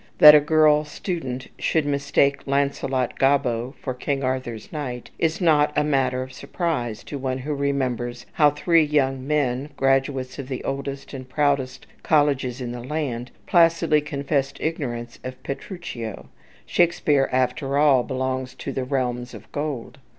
That a girl student should mistake "Launcelot Gobbo" for King Arthur's knight is not a matter of surprise to one who remembers how three young men, graduates of the oldest and proudest colleges in the land, placidly confessed ignorance of "Petruchio." Shakespeare, after all, belongs to "the realms of gold."